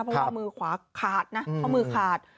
เพราะว่ามือขวาขาดนะข้อมือขาด